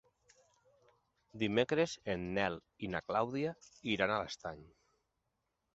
Dimecres en Nel i na Clàudia iran a l'Estany.